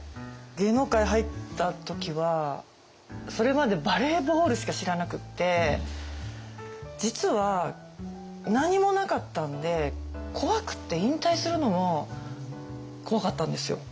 芸能界入った時はそれまでバレーボールしか知らなくって実は何もなかったんで怖くって引退するのも怖かったんですよ。